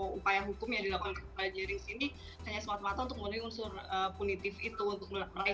upaya hukum yang dilakukan oleh jering ini hanya semata mata untuk memenuhi unsur punitif itu